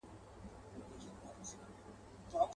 !کابل مه ورانوئ.